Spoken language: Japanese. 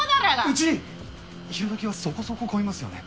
うち昼どきはそこそこ混みますよね？